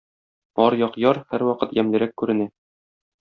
Аръяк яр һәрвакыт ямьлерәк күренә.